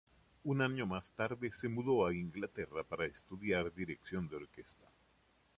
Un año más tarde se mudó a Inglaterra para estudiar dirección de orquesta.